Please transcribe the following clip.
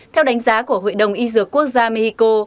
theo đánh giá của hội đồng y dược quốc gia mexico